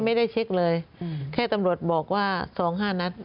ไม่ได้เช็คเลยแค่ตำรวจบอกว่าสองห้านัด